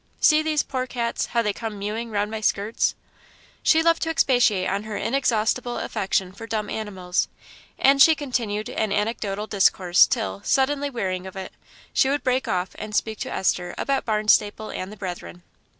See these poor cats, how they come mewing round my skirts." She loved to expatiate on her inexhaustible affection for dumb animals, and she continued an anecdotal discourse till, suddenly wearying of it, she would break off and speak to Esther about Barnstaple and the Brethren.